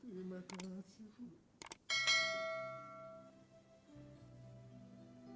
terima kasih ibu